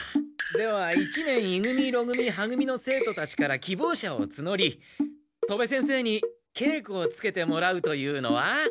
では一年い組ろ組は組の生徒たちから希望者をつのり戸部先生にけいこをつけてもらうというのは？